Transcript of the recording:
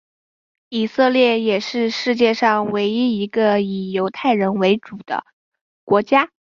以色列也是世界上唯一一个以犹太人为主的国家。